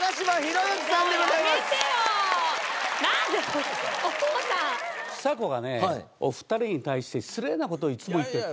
ちさ子がねお二人に対して失礼な事をいつも言ってる。